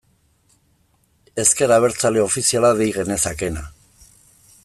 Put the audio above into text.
Ezker Abertzale ofiziala dei genezakeena.